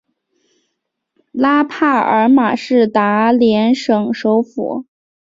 拉帕尔马是达连省首府。